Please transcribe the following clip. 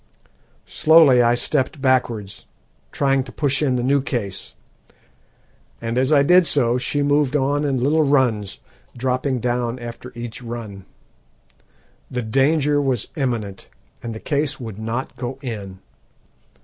Slowly I stepped backwards, trying to push in the new case, and as I did so she moved on in little runs, dropping down after each run. The danger was imminent, and the case would not go in.